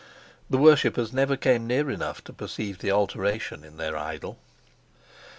The worshipers never came near enough to perceive the alteration in their idol.